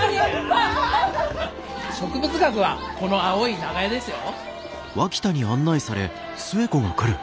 植物学はこの青い長屋ですよ。